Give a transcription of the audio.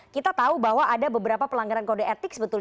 kita tahu bahwa ada beberapa pelanggaran kode etik sebetulnya